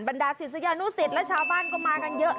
ดาศิษยานุสิตและชาวบ้านก็มากันเยอะ